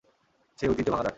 সেই ঐতিহ্য ভাঙা যাক!